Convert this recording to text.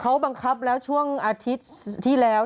เขาบังคับแล้วช่วงอาทิตย์ที่แล้ว